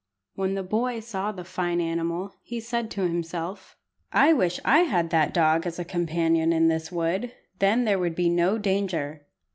When the boy saw the fine animal, he said to himself "I wish I had that dog as a companion in this wood. Then there would be no danger."